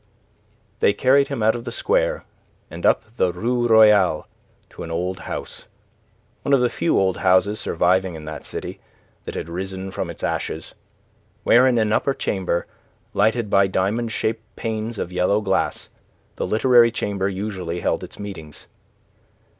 They carried him out of the square and up the Rue Royale to an old house, one of the few old houses surviving in that city that had risen from its ashes, where in an upper chamber lighted by diamond shaped panes of yellow glass the Literary Chamber usually held its meetings.